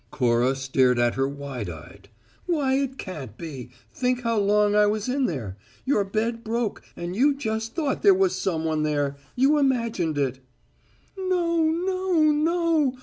Cora stared at her wide eyed. "Why, it can't be. Think how long I was in there. Your bed broke, and you just thought there was some one there. You imagined it." "No, no, no!"